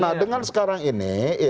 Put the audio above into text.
nah dengan sekarang ini